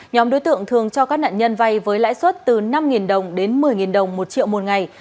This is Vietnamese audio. nhóm đối tượng thường cho các nạn nhân vay với lãi suất từ năm đồng đến một mươi đồng một triệu một ngày